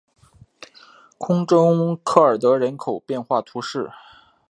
空中科尔德人口变化图示